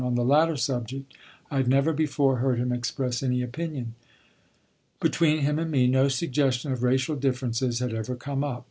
On the latter subject I had never before heard him express any opinion. Between him and me no suggestion of racial differences had ever come up.